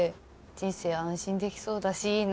人生安心できそうだしいいな。